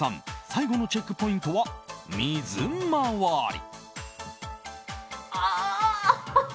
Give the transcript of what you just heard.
最後のチェックポイントは水回り。